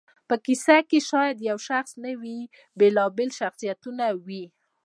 په کیسه کښي شاید یو شخص نه وي، بېلابېل شخصیتونه وي.